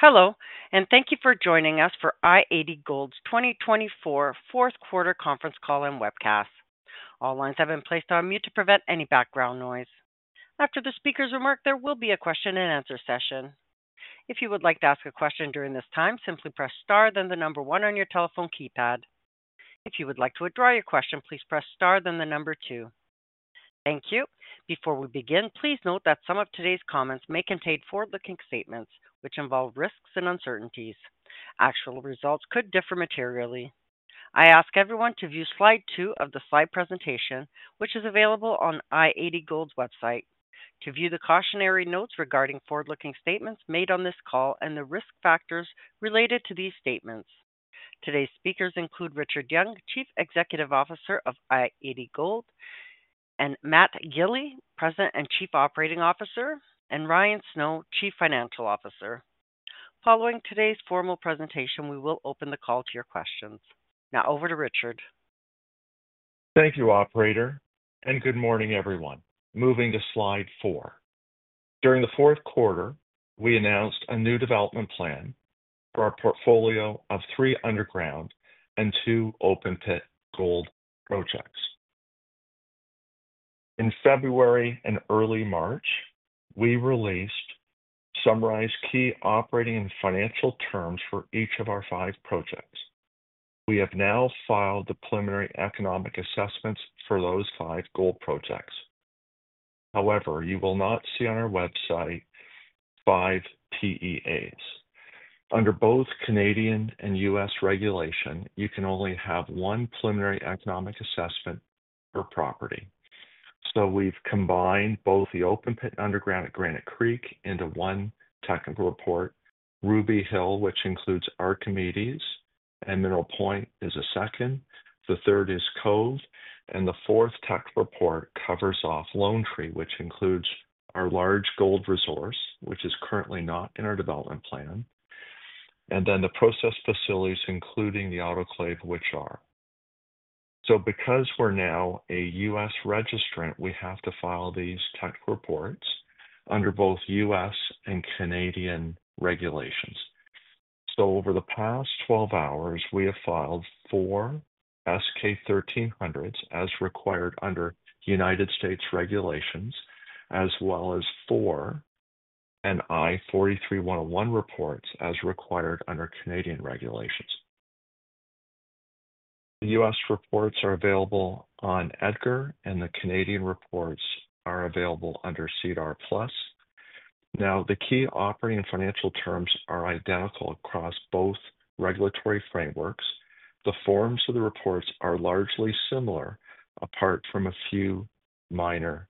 Hello, and thank you for joining us for i-80 Gold's 2024 Fourth Quarter Conference Call and Webcast. All lines have been placed on mute to prevent any background noise. After the speaker's remark, there will be a question-and-answer session. If you would like to ask a question during this time, simply press star, then the number one on your telephone keypad. If you would like to withdraw your question, please press star, then the number two. Thank you. Before we begin, please note that some of today's comments may contain forward-looking statements which involve risks and uncertainties. Actual results could differ materially. I ask everyone to view Slide 2 of the slide presentation, which is available on i-80 Gold's website, to view the cautionary notes regarding forward-looking statements made on this call and the risk factors related to these statements. Today's speakers include Richard Young, Chief Executive Officer of i-80 Gold, and Matt Gili, President and Chief Operating Officer, and Ryan Snow, Chief Financial Officer. Following today's formal presentation, we will open the call to your questions. Now, over to Richard. Thank you, Operator, and good morning, everyone. Moving to Slide 4. During the fourth quarter, we announced a new development plan for our portfolio of three underground and two open-pit gold projects. In February and early March, we released summarized key operating and financial terms for each of our five projects. We have now filed the preliminary economic assessments for those five gold projects. However, you will not see on our website five PEAs. Under both Canadian and U.S. regulation, you can only have one preliminary economic assessment per property. We have combined both the open-pit and underground at Granite Creek into one technical report, Ruby Hill, which includes Archimedes, and Mineral Point is a second. The third is Cove, and the fourth technical report covers off Lone Tree, which includes our large gold resource, which is currently not in our development plan, and then the process facilities, including the autoclave, which are. Because we're now a U.S. registrant, we have to file these technical reports under both U.S. and Canadian regulations. Over the past 12 hours, we have filed four S-K 1300s as required under United States regulations, as well as four NI 43-101 reports as required under Canadian regulations. The U.S. reports are available on EDGAR, and the Canadian reports are available under SEDAR+. Now, the key operating and financial terms are identical across both regulatory frameworks. The forms of the reports are largely similar, apart from a few minor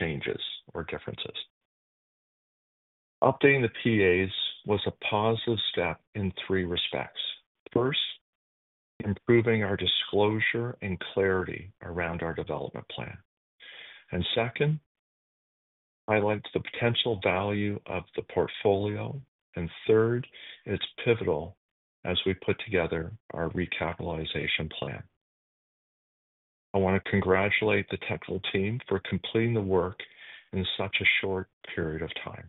changes or differences. Updating the PEAs was a positive step in three respects. First, improving our disclosure and clarity around our development plan. Second, highlight the potential value of the portfolio. Third, it's pivotal as we put together our recapitalization plan. I want to congratulate the technical team for completing the work in such a short period of time.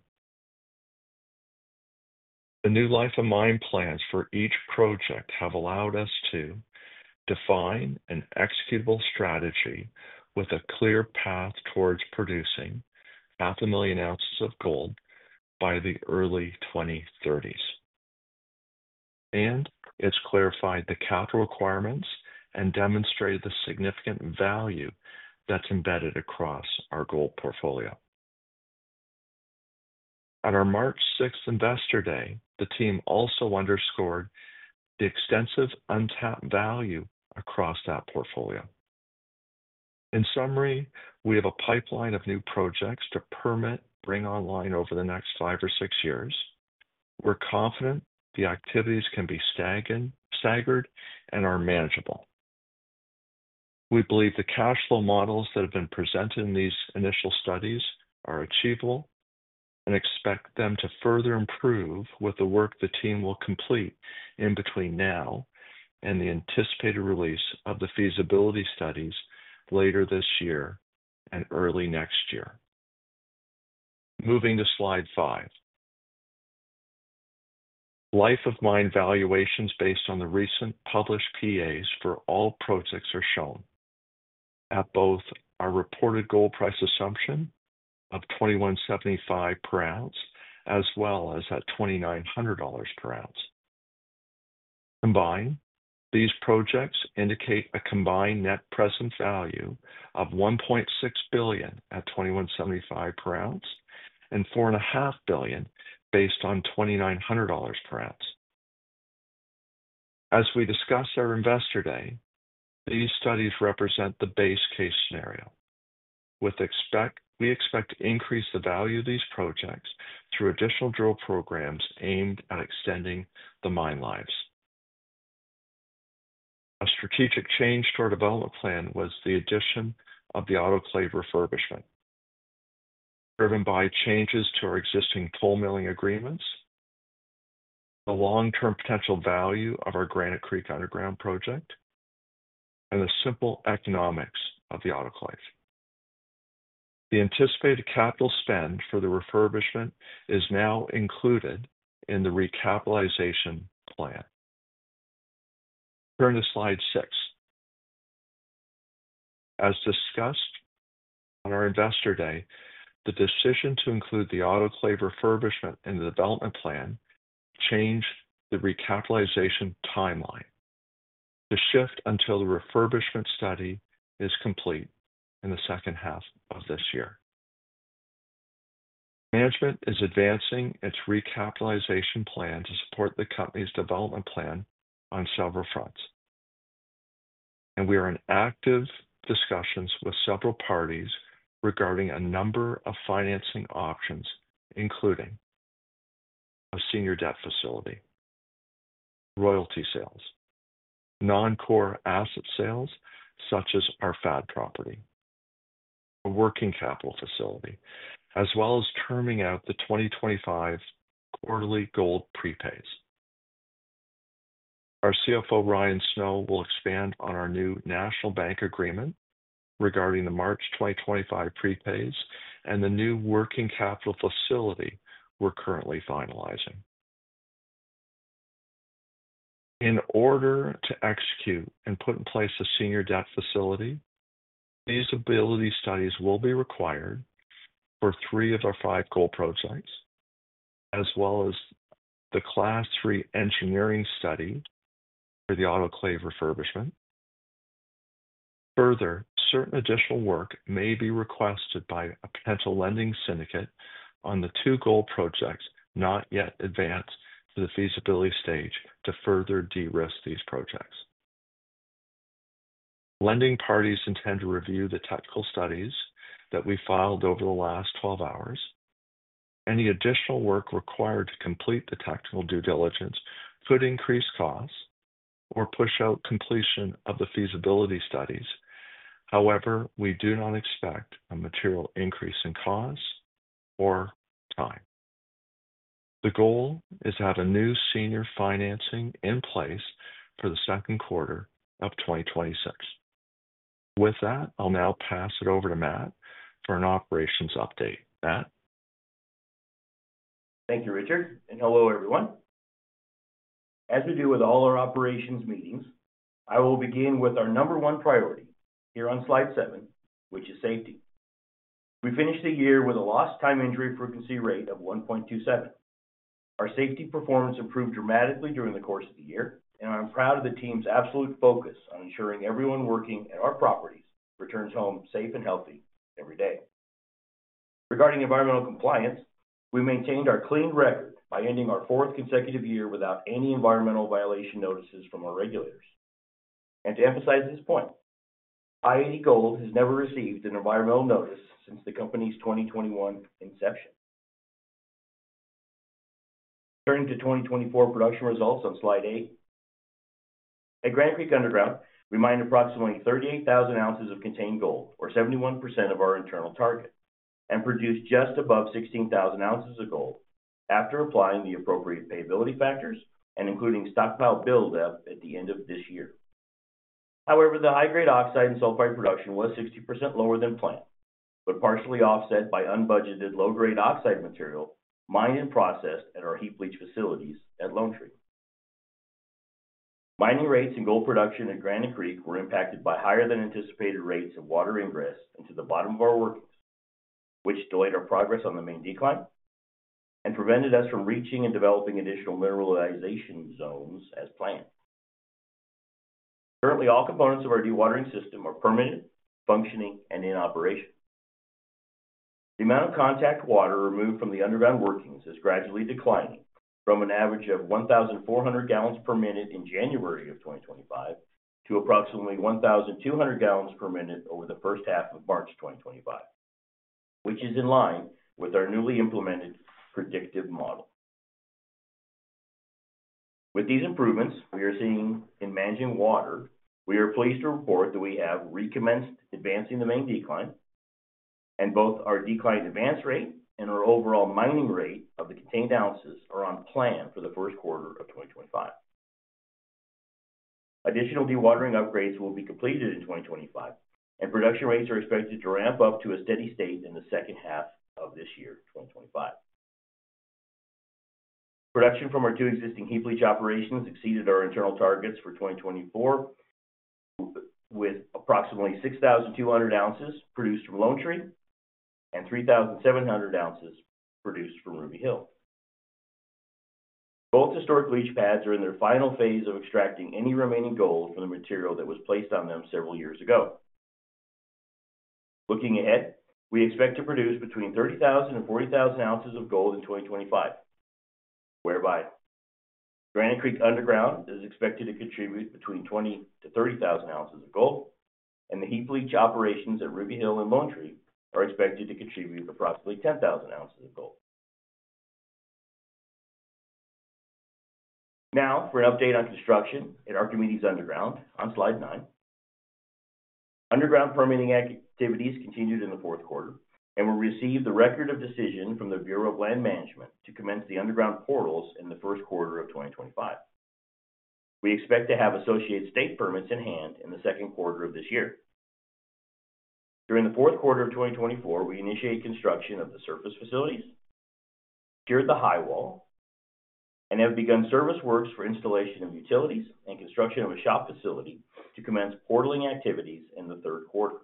The new life of mine plans for each project have allowed us to define an executable strategy with a clear path towards producing 500,000 ounces of gold by the early 2030s. It's clarified the capital requirements and demonstrated the significant value that's embedded across our gold portfolio. At our March 6th Investor Day, the team also underscored the extensive untapped value across that portfolio. In summary, we have a pipeline of new projects to permit and bring online over the next five or six years. We're confident the activities can be staggered and are manageable. We believe the cash flow models that have been presented in these initial studies are achievable and expect them to further improve with the work the team will complete in between now and the anticipated release of the feasibility studies later this year and early next year. Moving to Slide 5. Life of mine valuations based on the recent published PEAs for all projects are shown at both our reported gold price assumption of $2,175 per ounce, as well as at $2,900 per ounce. Combined, these projects indicate a combined net present value of $1.6 billion at $2,175 per ounce and $4.5 billion based on $2,900 per ounce. As we discussed our Investor Day, these studies represent the base case scenario, with expect we expect to increase the value of these projects through additional drill programs aimed at extending the mine lives. A strategic change to our development plan was the addition of the autoclave refurbishment, driven by changes to our existing coal milling agreements, the long-term potential value of our Granite Creek underground project, and the simple economics of the autoclave. The anticipated capital spend for the refurbishment is now included in the recapitalization plan. Turn to Slide 6. As discussed on our Investor Day, the decision to include the autoclave refurbishment in the development plan changed the recapitalization timeline to shift until the refurbishment study is complete in the second half of this year. Management is advancing its recapitalization plan to support the company's development plan on several fronts, and we are in active discussions with several parties regarding a number of financing options, including a senior debt facility, royalty sales, non-core asset sales such as our FAD property, a working capital facility, as well as terming out the 2025 quarterly gold prepays. Our CFO, Ryan Snow, will expand on our new National Bank agreement regarding the March 2025 prepays and the new working capital facility we're currently finalizing. In order to execute and put in place a senior debt facility, feasibility studies will be required for three of our five gold projects, as well as the Class 3 engineering study for the autoclave refurbishment. Further, certain additional work may be requested by a potential lending syndicate on the two gold projects not yet advanced to the feasibility stage to further de-risk these projects. Lending parties intend to review the technical studies that we filed over the last 12 hours. Any additional work required to complete the technical due diligence could increase costs or push out completion of the feasibility studies. However, we do not expect a material increase in costs or time. The goal is to have a new senior financing in place for the second quarter of 2026. With that, I'll now pass it over to Matt for an operations update. Matt. Thank you, Richard. Hello, everyone. As we do with all our operations meetings, I will begin with our number one priority here on Slide 7, which is safety. We finished the year with a lost-time injury frequency rate of 1.27. Our safety performance improved dramatically during the course of the year, and I'm proud of the team's absolute focus on ensuring everyone working at our properties returns home safe and healthy every day. Regarding environmental compliance, we maintained our clean record by ending our fourth consecutive year without any environmental violation notices from our regulators. To emphasize this point, i-80 Gold has never received an environmental notice since the company's 2021 inception. Turning to 2024 production results on Slide 8, at Granite Creek Underground, we mined approximately 38,000 ounces of contained gold, or 71% of our internal target, and produced just above 16,000 ounces of gold after applying the appropriate payability factors and including stockpile build-up at the end of this year. However, the high-grade oxide and sulfide production was 60% lower than planned, but partially offset by unbudgeted low-grade oxide material mined and processed at our heap leach facilities at Lone Tree. Mining rates and gold production at Granite Creek were impacted by higher-than-anticipated rates of water ingress into the bottom of our workings, which delayed our progress on the main decline and prevented us from reaching and developing additional mineralization zones as planned. Currently, all components of our dewatering system are permanent, functioning, and in operation. The amount of contact water removed from the underground workings is gradually declining from an average of 1,400 gallons per minute in January of 2025 to approximately 1,200 gallons per minute over the first half of March 2025, which is in line with our newly implemented predictive model. With these improvements we are seeing in managing water, we are pleased to report that we have recommenced advancing the main decline, and both our decline advance rate and our overall mining rate of the contained ounces are on plan for the first quarter of 2025. Additional dewatering upgrades will be completed in 2025, and production rates are expected to ramp up to a steady state in the second half of this year, 2025. Production from our two existing heap leach operations exceeded our internal targets for 2024, with approximately 6,200 ounces produced from Lone Tree and 3,700 ounces produced from Ruby Hill. Both historic leach pads are in their final phase of extracting any remaining gold from the material that was placed on them several years ago. Looking ahead, we expect to produce between 30,000 and 40,000 ounces of gold in 2025, whereby Granite Creek Underground is expected to contribute between 20,000-30,000 ounces of gold, and the heap leach operations at Ruby Hill and Lone Tree are expected to contribute approximately 10,000 ounces of gold. Now, for an update on construction at Archimedes Underground on Slide 9. Underground permitting activities continued in the fourth quarter, and we received the Record of Decision from the Bureau of Land Management to commence the underground portals in the first quarter of 2025. We expect to have associated state permits in hand in the second quarter of this year. During the fourth quarter of 2024, we initiated construction of the surface facilities, secured the highwall, and have begun service works for installation of utilities and construction of a shop facility to commence portaling activities in the third quarter.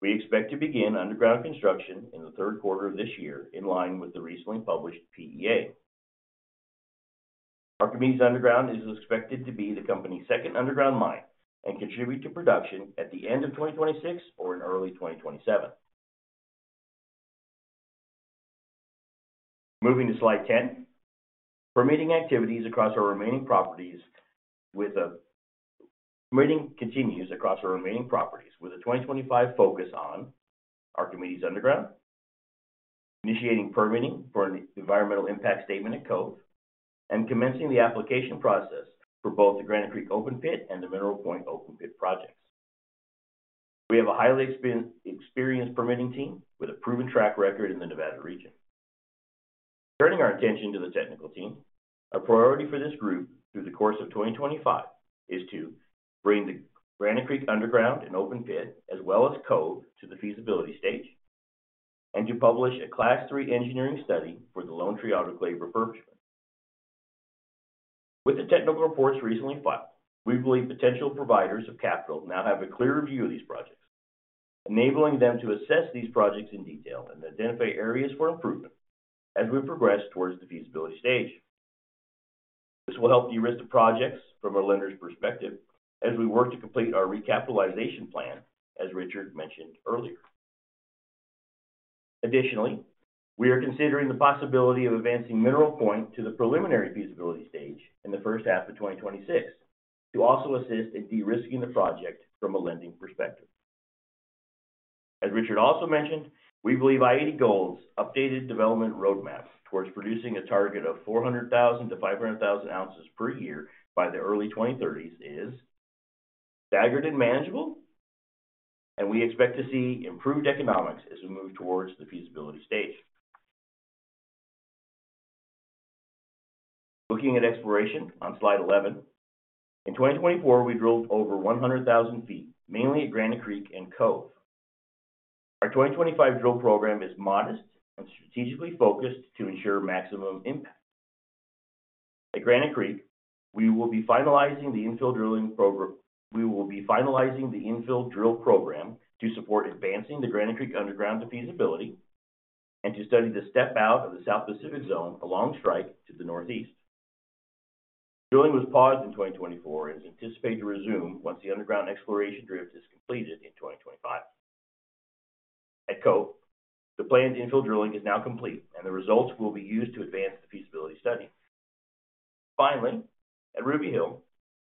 We expect to begin underground construction in the third quarter of this year in line with the recently published PEA. Archimedes Underground is expected to be the company's second underground mine and contribute to production at the end of 2026 or in early 2027. Moving to Slide 10, permitting activities across our remaining properties with a permitting continues across our remaining properties with a 2025 focus on Archimedes Underground, initiating permitting for an Environmental Impact Statement at Cove, and commencing the application process for both the Granite Creek Open Pit and the Mineral Point Open Pit projects. We have a highly experienced permitting team with a proven track record in the Nevada region. Turning our attention to the technical team, a priority for this group through the course of 2025 is to bring the Granite Creek Underground and Open Pit, as well as Cove, to the feasibility stage and to publish a Class 3 engineering study for the Lone Tree Autoclave refurbishment. With the technical reports recently filed, we believe potential providers of capital now have a clear view of these projects, enabling them to assess these projects in detail and identify areas for improvement as we progress towards the feasibility stage. This will help de-risk the projects from our lender's perspective as we work to complete our recapitalization plan, as Richard mentioned earlier. Additionally, we are considering the possibility of advancing Mineral Point to the preliminary feasibility stage in the first half of 2026 to also assist in de-risking the project from a lending perspective. As Richard also mentioned, we believe i-80 Gold's updated development roadmap towards producing a target of 400,000-500,000 ounces per year by the early 2030s is staggered and manageable, and we expect to see improved economics as we move towards the feasibility stage. Looking at exploration on Slide 11, in 2024, we drilled over 100,000 feet, mainly at Granite Creek and Cove. Our 2025 drill program is modest and strategically focused to ensure maximum impact. At Granite Creek, we will be finalizing the infill drilling program. We will be finalizing the infill drill program to support advancing the Granite Creek Underground to feasibility and to study the step-out of the South Pacific Zone along strike to the northeast. Drilling was paused in 2024 and is anticipated to resume once the underground exploration drift is completed in 2025. At Cove, the planned infill drilling is now complete, and the results will be used to advance the feasibility study. Finally, at Ruby Hill,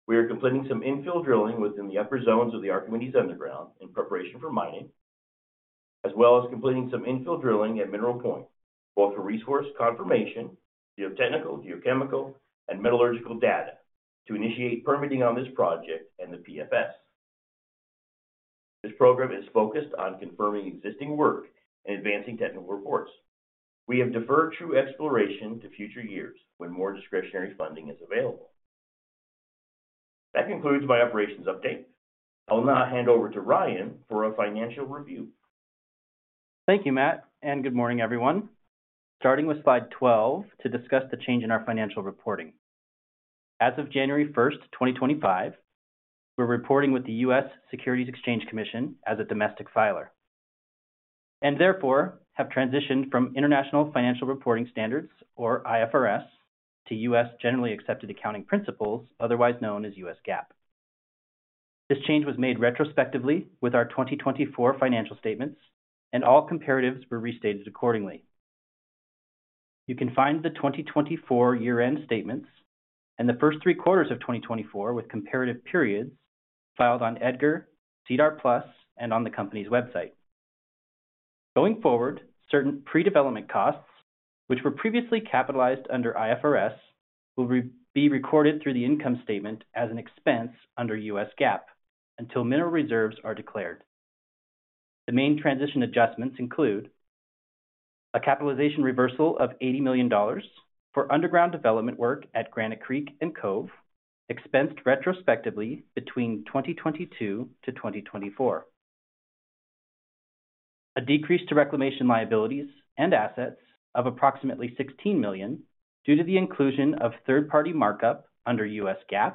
we are completing some infill drilling within the upper zones of the Archimedes Underground in preparation for mining, as well as completing some infill drilling at Mineral Point, both for resource confirmation, geotechnical, geochemical, and metallurgical data to initiate permitting on this project and the PFS. This program is focused on confirming existing work and advancing technical reports. We have deferred true exploration to future years when more discretionary funding is available. That concludes my operations update. I will now hand over to Ryan for a financial review. Thank you, Matt, and good morning, everyone. Starting with Slide 12 to discuss the change in our financial reporting. As of January 1st, 2025, we're reporting with the U.S. Securities and Exchange Commission as a domestic filer and therefore have transitioned from International Financial Reporting Standards, or IFRS, to U.S. Generally Accepted Accounting Principles, otherwise known as U.S. GAAP. This change was made retrospectively with our 2024 financial statements, and all comparatives were restated accordingly. You can find the 2024 year-end statements and the first three quarters of 2024 with comparative periods filed on EDGAR, SEDAR+, and on the company's website. Going forward, certain pre-development costs, which were previously capitalized under IFRS, will be recorded through the income statement as an expense under U.S. GAAP until mineral reserves are declared. The main transition adjustments include a capitalization reversal of $80 million for underground development work at Granite Creek and Cove, expensed retrospectively between 2022 to 2024. A decrease to reclamation liabilities and assets of approximately $16 million due to the inclusion of third-party markup under U.S. GAAP,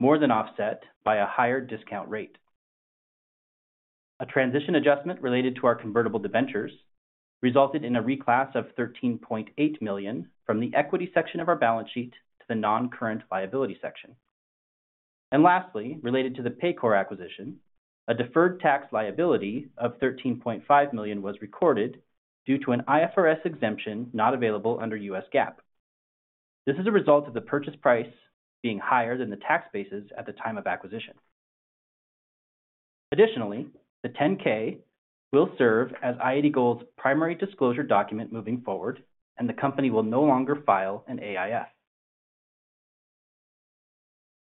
more than offset by a higher discount rate. A transition adjustment related to our convertible debentures resulted in a reclass of $13.8 million from the equity section of our balance sheet to the non-current liability section. Lastly, related to the Paycore acquisition, a deferred tax liability of $13.5 million was recorded due to an IFRS exemption not available under U.S. GAAP. This is a result of the purchase price being higher than the tax basis at the time of acquisition. Additionally, the 10-K will serve as i-80 Gold's primary disclosure document moving forward, and the company will no longer file an AIF.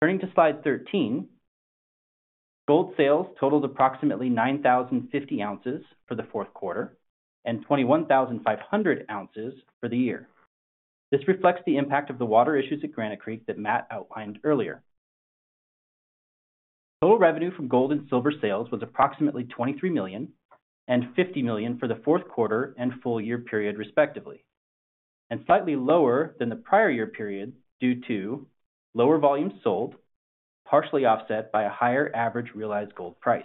Turning to Slide 13, gold sales totaled approximately 9,050 ounces for the fourth quarter and 21,500 ounces for the year. This reflects the impact of the water issues at Granite Creek that Matt outlined earlier. Total revenue from gold and silver sales was approximately $23 million and $50 million for the fourth quarter and full year period, respectively, and slightly lower than the prior year period due to lower volumes sold, partially offset by a higher average realized gold price.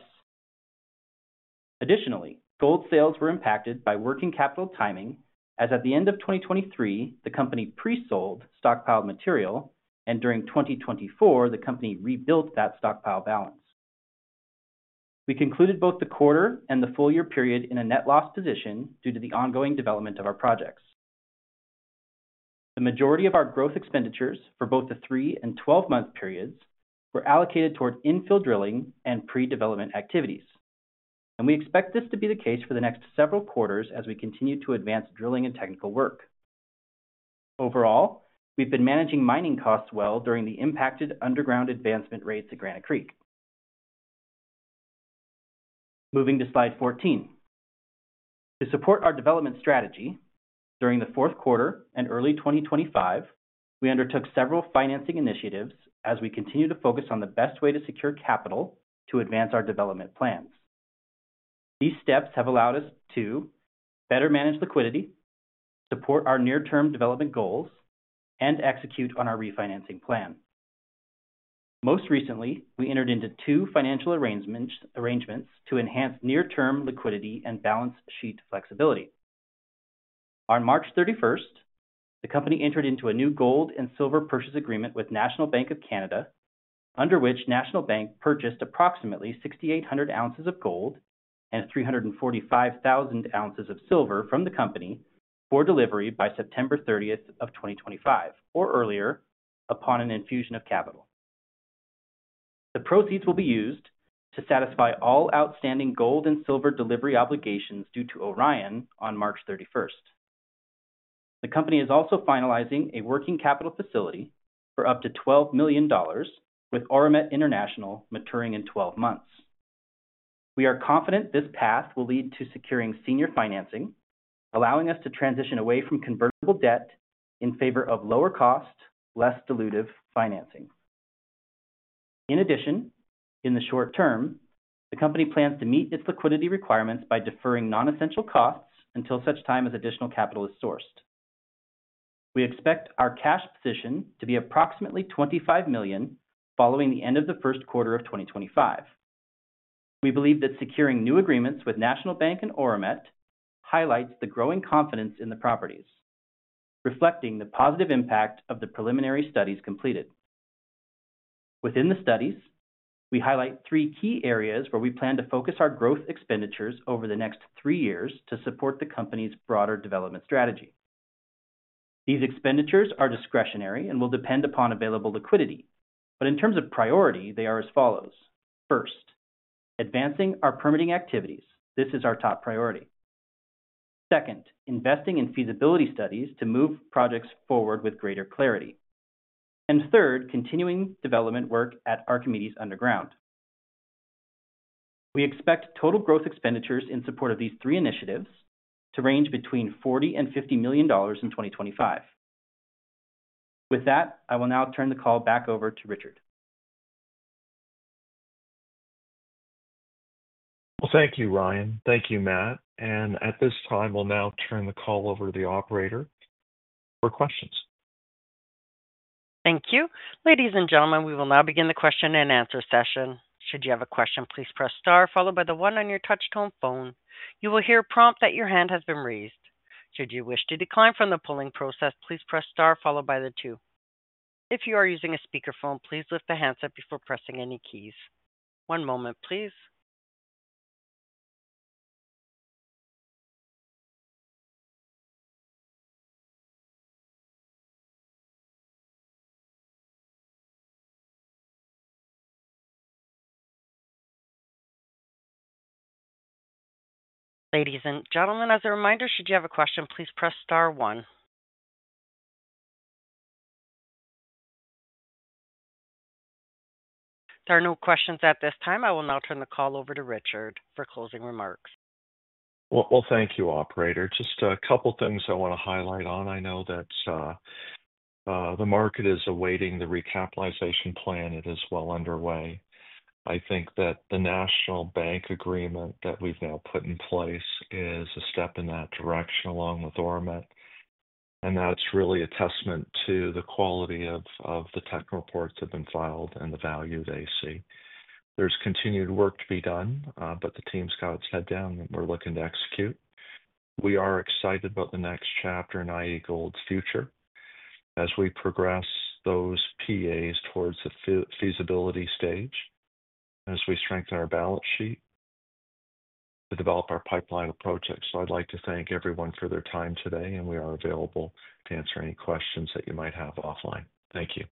Additionally, gold sales were impacted by working capital timing, as at the end of 2023, the company pre-sold stockpiled material, and during 2024, the company rebuilt that stockpile balance. We concluded both the quarter and the full year period in a net loss position due to the ongoing development of our projects. The majority of our growth expenditures for both the three and twelve-month periods were allocated toward infill drilling and pre-development activities, and we expect this to be the case for the next several quarters as we continue to advance drilling and technical work. Overall, we've been managing mining costs well during the impacted underground advancement rates at Granite Creek. Moving to Slide 14, to support our development strategy during the fourth quarter and early 2025, we undertook several financing initiatives as we continue to focus on the best way to secure capital to advance our development plans. These steps have allowed us to better manage liquidity, support our near-term development goals, and execute on our refinancing plan. Most recently, we entered into two financial arrangements to enhance near-term liquidity and balance sheet flexibility. On March 31, the company entered into a new gold and silver purchase agreement with National Bank of Canada, under which National Bank purchased approximately 6,800 ounces of gold and 345,000 ounces of silver from the company for delivery by September 30th of 2025, or earlier upon an infusion of capital. The proceeds will be used to satisfy all outstanding gold and silver delivery obligations due to Orion on March 31st. The company is also finalizing a working capital facility for up to $12 million with Auramet International maturing in 12 months. We are confident this path will lead to securing senior financing, allowing us to transition away from convertible debt in favor of lower-cost, less dilutive financing. In addition, in the short term, the company plans to meet its liquidity requirements by deferring non-essential costs until such time as additional capital is sourced. We expect our cash position to be approximately $25 million following the end of the first quarter of 2025. We believe that securing new agreements with National Bank of Canada and Auramet International highlights the growing confidence in the properties, reflecting the positive impact of the preliminary studies completed. Within the studies, we highlight three key areas where we plan to focus our growth expenditures over the next three years to support the company's broader development strategy. These expenditures are discretionary and will depend upon available liquidity, but in terms of priority, they are as follows. First, advancing our permitting activities. This is our top priority. Second, investing in feasibility studies to move projects forward with greater clarity. Third, continuing development work at Archimedes Underground. We expect total growth expenditures in support of these three initiatives to range between $40 million and $50 million in 2025. With that, I will now turn the call back over to Richard. Thank you, Ryan. Thank you, Matt. At this time, we'll now turn the call over to the operator for questions. Thank you. Ladies and gentlemen, we will now begin the question and answer session. Should you have a question, please press star, followed by the one on your touch-tone phone. You will hear a prompt that your hand has been raised. Should you wish to decline from the polling process, please press star, followed by the two. If you are using a speakerphone, please lift the hands up before pressing any keys. One moment, please. Ladies and gentlemen, as a reminder, should you have a question, please press star, one. There are no questions at this time. I will now turn the call over to Richard for closing remarks. Thank you, Operator. Just a couple of things I want to highlight on. I know that the market is awaiting the recapitalization plan. It is well underway. I think that the National Bank agreement that we've now put in place is a step in that direction along with Auramet, and that's really a testament to the quality of the technical reports that have been filed and the value they see. There's continued work to be done, but the team's got its head down, and we're looking to execute. We are excited about the next chapter in i-80 Gold's future as we progress those PAs towards the feasibility stage, as we strengthen our balance sheet to develop our pipeline of projects. I'd like to thank everyone for their time today, and we are available to answer any questions that you might have offline. Thank you.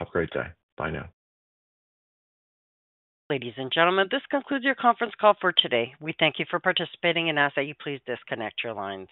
Have a great day. Bye now. Ladies and gentlemen, this concludes your conference call for today. We thank you for participating and ask that you please disconnect your lines.